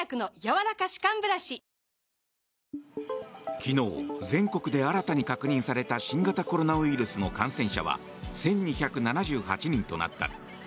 昨日、全国で新たに確認された新型コロナウイルスの感染者は１２７８人となった。